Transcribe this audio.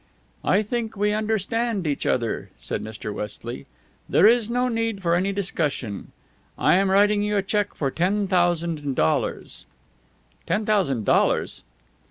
"I think we understand each other," said Mr. Westley. "There is no need for any discussion. I am writing you a check for ten thousand dollars " "Ten thousand dollars!"